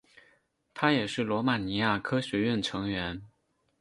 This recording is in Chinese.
他也是罗马尼亚科学院成员。